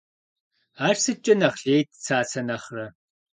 Ар сыткӏэ нэхъ лейт Цацэ нэхърэ?